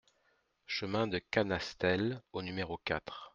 Chemin de Canastelle au numéro quatre